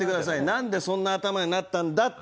なんでそんな頭になったんだって。